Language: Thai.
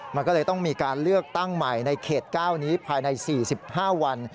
มันก็เลยต้องมีการเลือกตั้งใหม่ในเขต๙นี้ภายใน๔๕วัน